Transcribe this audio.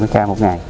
hai mươi k một ngày